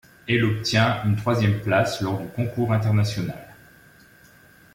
Elle obtient une troisième place lors du concours international.